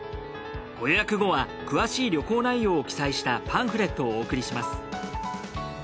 ご予約後は詳しい旅行内容を記載したパンフレットをお送りします。